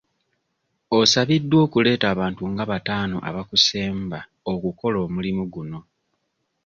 Osabiddwa okuleeta abantu nga bataano abakusemba okukola omulimu guno.